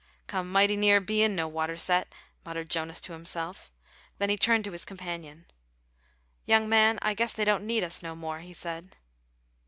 "Come mighty near bein' no water set," muttered Jonas to himself; then he turned to his companion. "Young man, I guess they don't need us no more," he said.